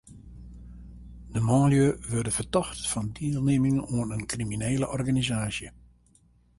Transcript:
De manlju wurde fertocht fan dielnimming oan in kriminele organisaasje.